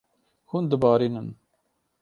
Hûn dibarînin.